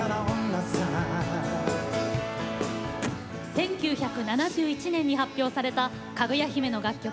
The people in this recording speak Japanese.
１９７１年に発表されたかぐや姫の楽曲